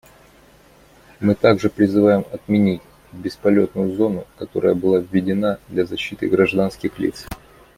Мы также призываем отменить бесполетную зону, которая была введена для защиты гражданских лиц.